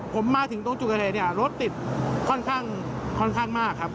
ผมมาถึงตรงจุกเกาะเทยรถติดค่อนข้างมากครับ